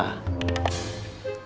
misalnya masalah apa